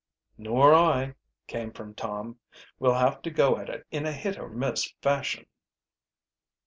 "Nor I," came from Tom. "We'll have to go at it in a hit or miss fashion."